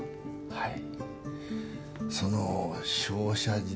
はい。